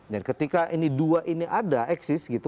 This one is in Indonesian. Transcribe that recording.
dan ketika ini dua ini ada eksis gitu